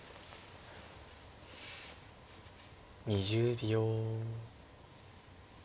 ２０秒。